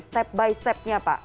step by step nya pak